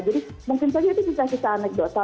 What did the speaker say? jadi mungkin saja itu bisa bisa aneg aneg dosa